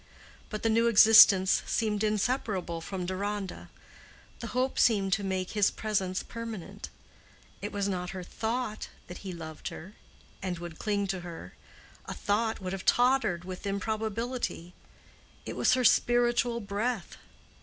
But the new existence seemed inseparable from Deronda: the hope seemed to make his presence permanent. It was not her thought, that he loved her, and would cling to her—a thought would have tottered with improbability; it was her spiritual breath.